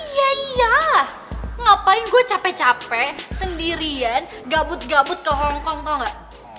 iya iya ngapain gue capek capek sendirian gabut gabut ke hongkong tuh gak